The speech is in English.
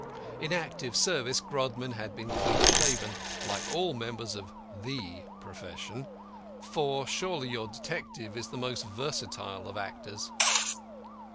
In active service Grodman had been clean shaven, like all members of the profession for surely your detective is the most versatile of actors.